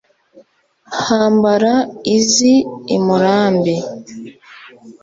Hambara iz' i Murambi